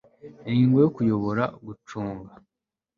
Ingingo ya Kuyobora gucunga